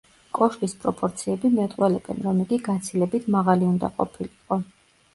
კოშკის პროპორციები მეტყველებენ, რომ იგი გაცილებით მაღალი უნდა ყოფილიყო.